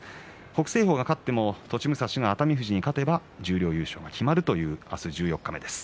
北青鵬が勝っても栃武蔵が熱海富士に勝てば十両優勝が決まるという明日、十四日目です。